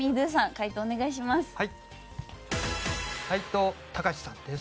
回答お願いします。